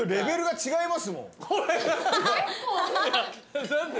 違います。